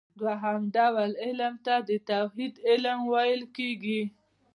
دوهم ډول علم ته د توحيد علم ويل کېږي .